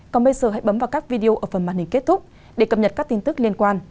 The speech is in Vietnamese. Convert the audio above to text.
còn bây giờ hãy bấm vào các video ở phần màn hình kết thúc để cập nhật các tin tức liên quan